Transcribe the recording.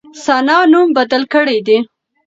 ثنا نوم بدل کړی دی.